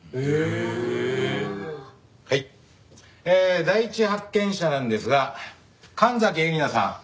えー第一発見者なんですが神崎えりなさん。